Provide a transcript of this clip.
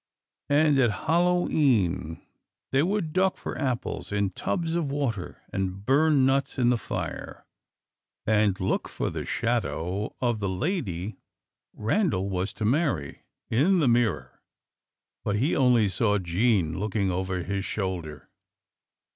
And at Hallow E'en they would duck for apples in tubs of water, and burn nuts in the fire, and look for the shadow of the lady Randal was to marry, in the mirror; but he only saw Jean looking over his shoulder.